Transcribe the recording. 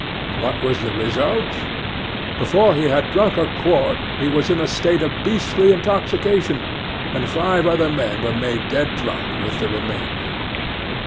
What was the result? Before he had drunk a quart, he was in a state of beastly intoxication; and five other men were made dead drunk with the remainder.